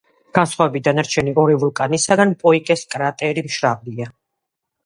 განსხვავებით დანარჩენი ორი ვულკანისაგან, პოიკეს კრატერი მშრალია.